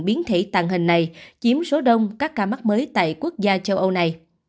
biến thể tàn hình này chiếm số đông các ca mắc mới tại quốc gia châu âu này